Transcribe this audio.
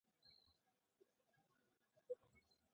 سلیمان غر د افغانستان د ځایي اقتصادونو یو لوی بنسټ دی.